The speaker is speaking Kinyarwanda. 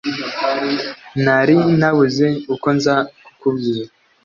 nari nabuze uko nza kubikubwira